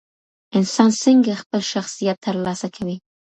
انسان څنګه خپل شخصیت ترلاسه کوي؟